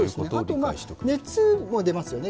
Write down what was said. あと熱も出ますよね。